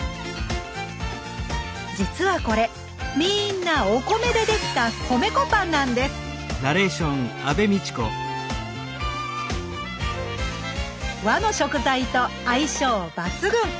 実はこれみんなお米でできた米粉パンなんです和の食材と相性抜群！